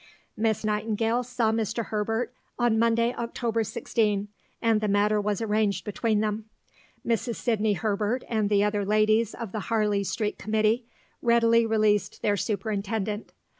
Miss Nightingale saw Mr. Herbert on Monday, October 16, and the matter was arranged between them. Mrs. Sidney Herbert and the other ladies of the Harley Street Committee readily released their Superintendent.